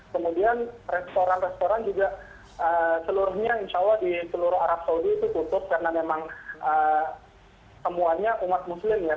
kemudian restoran restoran juga seluruhnya insya allah di seluruh arab saudi itu tutup karena memang semuanya umat muslim ya